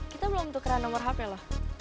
kita belum tukeran nomor hp loh